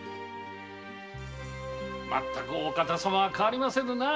まったくお方様は変わりませぬな。